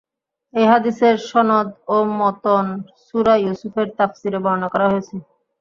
এই হাদীসের সনদ ও মতন সূরা ইউসুফের তাফসীরে বর্ণনা করা হয়েছে।